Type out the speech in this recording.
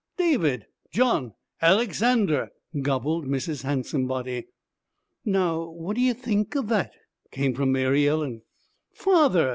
'David! John! Alexander!' gobbled Mrs. Handsomebody. 'Now what d'ye think of that!' came from Mary Ellen. 'Father!